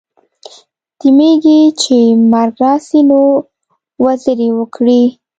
د میږي چي مرګ راسي نو، وزري وکړي.